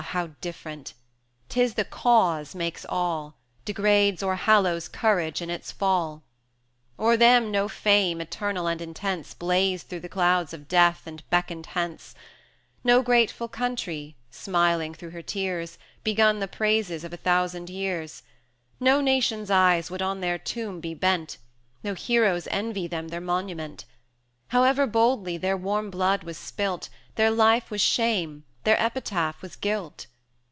how different! 'tis the cause makes all, Degrades or hallows courage in its fall. O'er them no fame, eternal and intense, Blazed through the clouds of Death and beckoned hence; No grateful country, smiling through her tears, Begun the praises of a thousand years; No nation's eyes would on their tomb be bent, No heroes envy them their monument; However boldly their warm blood was spilt, Their Life was shame, their Epitaph was guilt.